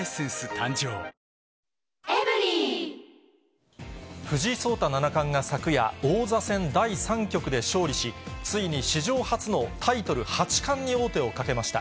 誕生藤井聡太七冠が昨夜、王座戦第３局で勝利し、ついに史上初のタイトル八冠に王手をかけました。